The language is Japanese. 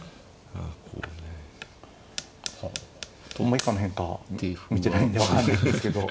以下の変化は見てないんで分かんないんですけど。